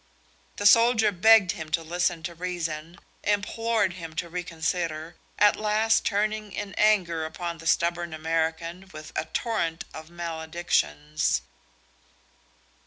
The soldier begged him to listen to reason, implored him to reconsider, at last turning in anger upon the stubborn American with a torrent of maledictions.